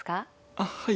あっはい。